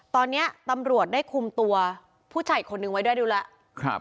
ตอนนี้ตำรวจได้คุมตัวผู้ชายอีกคนนึงไว้ด้วยดูแล้ว